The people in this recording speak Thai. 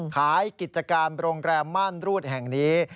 กิจการโรงแรมม่านรูดแห่งนี้